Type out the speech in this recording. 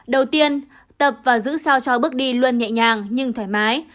đầu tiên tập và giữ sao cho bước đi luôn nhẹ nhàng nhưng thoải mái